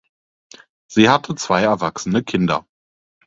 Sie hatte zwei erwachsene Kinder.